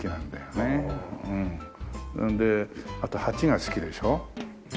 であと８が好きでしょ。